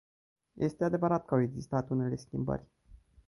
Este adevărat că au existat unele schimbări.